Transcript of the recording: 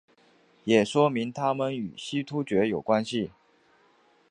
也说明他们与西突厥有关系。